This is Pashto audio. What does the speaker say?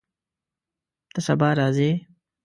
ته سبا راځې؟